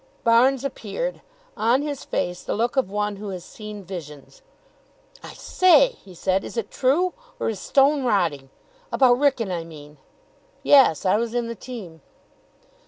Barnes appeared, on his face the look of one who has seen visions. "I say," he said, "is it true? Or is Stone rotting? About Wrykyn, I mean." "Yes, I was in the team."